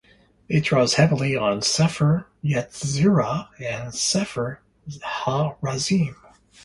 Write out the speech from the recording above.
It draws heavily on "Sepher Yetzirah" and "Sepher Ha-Razim".